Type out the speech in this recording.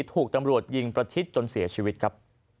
ถูกตำรวจยิงประชิดจนเสียชีวิตครับ